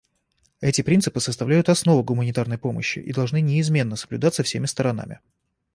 Эти принципы составляют основу гуманитарной помощи и должны неизменно соблюдаться всеми сторонами.